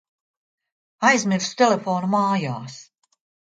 Aizmirsu telefonu mājās.